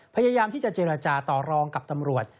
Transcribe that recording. พยายามที่จะเจรจาต่อรองกับตำรวจ